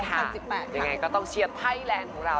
ยังไงก็ต้องเชียร์ไพร์ทแหลนด์ของเรา